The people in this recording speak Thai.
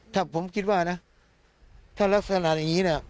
ถ้าผมคิดว่านะถ้ารักษณะอย่างนี้เนี่ย